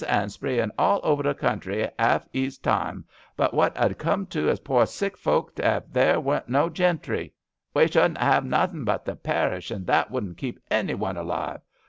and spreein' all over the country 'alf 'ees time; but what 'ud a come o' us poor sick folks ef there weren't no gentry? We shouldn't 'ave nothin' but the parish, and that wouldn't keep any one alive.